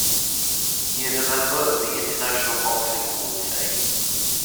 He is a member of the International Boxing Hall Of Fame.